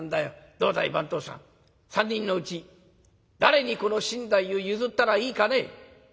どうだい番頭さん３人のうち誰にこの身代を譲ったらいいかね？」。